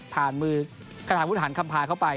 ผ่านมือกระถานพุทธหันคำพาเข้าไป